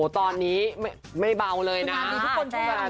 อ๋อตอนนี้ไม่เบาเลยนะหรอ